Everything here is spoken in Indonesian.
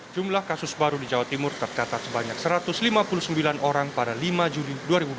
jumlah kasus baru di jawa timur tercatat sebanyak satu ratus lima puluh sembilan orang pada lima juni dua ribu dua puluh